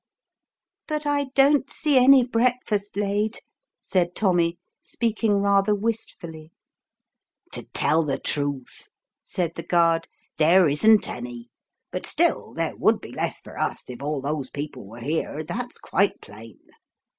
"But I don't see any breakfast laid," said Tommy, speaking rather wistfully. "To tell the truth," said the guard, "there isn't any; but still there would be less for us if all those people were here, that's quite plain."